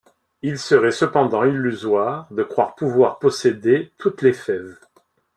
Il serait cependant illusoire de croire pouvoir posséder toutes les fèves.